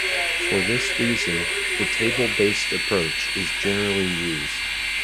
For this reason, the table-based approach is generally used.